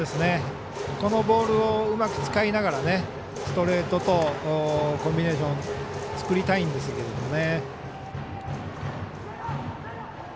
このボールをうまく使いながらストレートとコンビネーションを作りたいんですけどね。